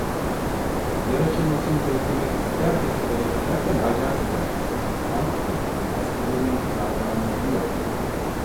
Yer açılmasını beklemek ister de sıraya girersen aylar sürer, halbuki hastalığının buna tahammülü yok.